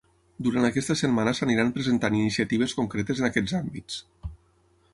Durant aquesta setmana s’aniran presentant iniciatives concretes en aquests àmbits.